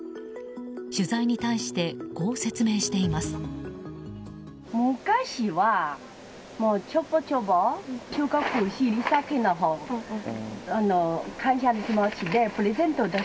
取材に対してこう説明しています。